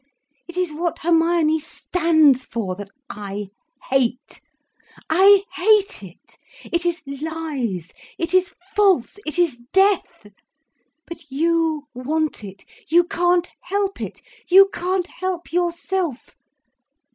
It is what Hermione stands for that I hate. I hate it. It is lies, it is false, it is death. But you want it, you can't help it, you can't help yourself.